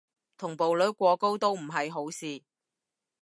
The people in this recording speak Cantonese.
同步率過高都唔係好事